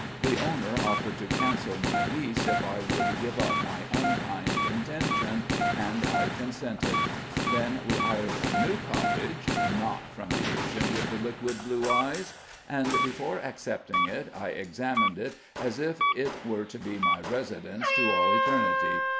The owner offered to cancel my lease if I would give up my unkind intention, and I consented. Then we hired a new cottage (not from the agent with the liquid blue eyes), and, before accepting it, I examined it as if it were to be my residence to all eternity.